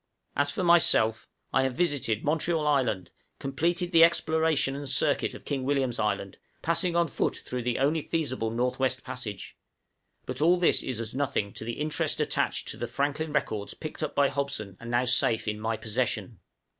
As for myself I have visited Montreal Island, completed the exploration and circuit of King William's Island, passing on foot through the only feasible North West Passage; but all this is as nothing to the interest attached to the Franklin records picked up by Hobson, and now safe in my possession!